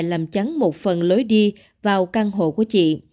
làm chắn một phần lối đi vào căn hộ của chị